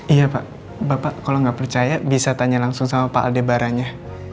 iya pak bapak kalau nggak percaya bisa tanya langsung sama pak aldebaranya